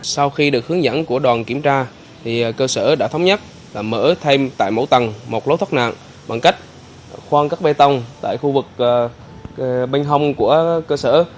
sau khi được hướng dẫn của đoàn kiểm tra cơ sở đã thống nhất mở thêm tại mỗi tầng một lối thoát nạn bằng cách khoan các bê tông tại khu vực bên hông của cơ sở